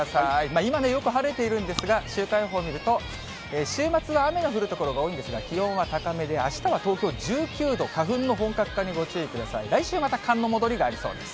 今もよく晴れているんですが、週間予報を見ると、週末は雨の降る所が多いんですが、気温は高めであしたは東京１９度、花粉の本格化にご注意ください。